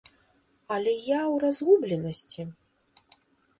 Але я ў разгубленасці.